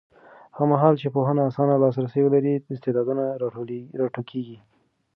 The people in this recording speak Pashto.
هغه مهال چې پوهنه اسانه لاسرسی ولري، استعدادونه راټوکېږي.